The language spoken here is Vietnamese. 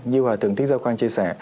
như hòa thượng thích giao quang chia sẻ